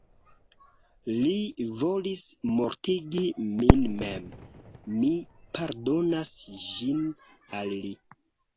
Li volis mortigi min mem, mi pardonas ĝin al li.